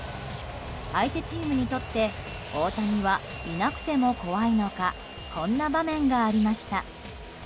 相手チームにとって大谷はいなくても怖いのかこんな場面がありました。